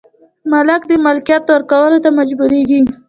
مالک د ملکیت ورکولو ته مجبوریږي.